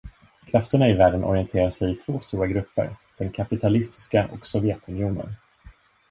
Krafterna i världen orienterar sig i två stora grupper, den kapitalistiska och Sovjetunionen.